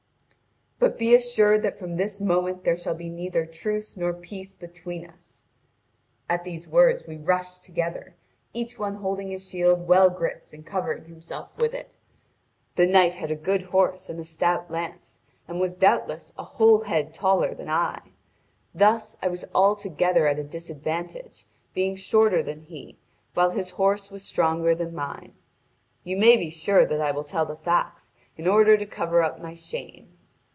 But be assured that from this moment there shall be neither truce nor peace between us.' At these words we rushed together, each one holding his shield well gripped and covering himself with it. The knight had a good horse and a stout lance, and was doubtless a whole head taller than I. Thus, I was altogether at a disadvantage, being shorter than he, while his horse was stronger than mine. You may be sure that I will tell the facts, in order to cover up my shame.